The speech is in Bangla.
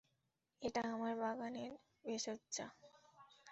এটা আমার বাগানের ভেষজ চা।